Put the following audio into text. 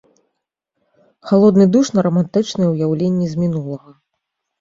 Халодны душ на рамантычныя ўяўленні з мінулага.